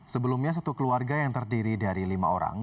sebelumnya satu keluarga yang terdiri dari lima orang